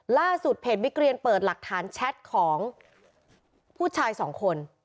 ล่าสุดเพจบิ๊กเรียนเปิดหลักฐานแชทของผู้ชายสองคน